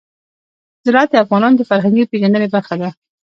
زراعت د افغانانو د فرهنګي پیژندنې برخه ده.